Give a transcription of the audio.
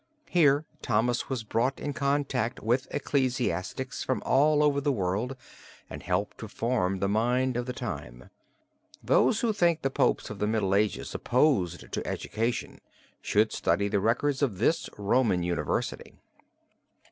Here Thomas was brought in contact with ecclesiastics from all over the world and helped to form the mind of the time. Those who think the popes of the Middle Ages opposed to education should study the records of this Roman university.